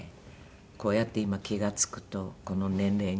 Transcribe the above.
こうやって今気が付くとこの年齢になって。